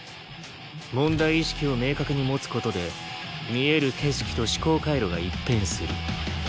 問題意識を明確に持つ事で見える景色と思考回路が一変する。